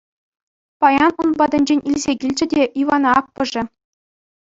Паян ун патӗнчен илсе килчӗ те Ивана аппӑшӗ.